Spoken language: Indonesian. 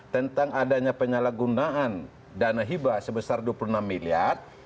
tentang adanya penyalahgunaan dana hibah sebesar dua puluh enam miliar